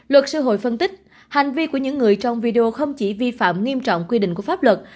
luật sư hội phân tích hành vi của những người trong video không chỉ vi phạm nghiêm trọng quy định của pháp luật